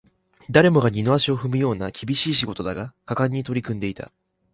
誰もが二の足を踏むような厳しい仕事だが、果敢に取り組んでいた